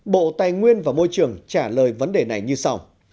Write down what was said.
bộ tài nguyên và môi trường trả lời vấn đề này như sau